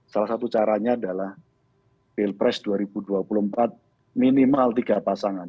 salah satu caranya adalah pilpres dua ribu dua puluh empat minimal tiga pasangan